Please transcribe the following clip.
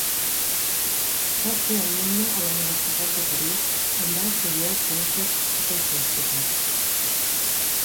Va ser alumne a la Universitat de París on va estudiar ciències eclesiàstiques.